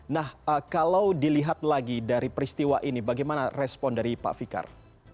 nah kalau dilihat lagi dari peristiwa ini bagaimana respon dari pak fikar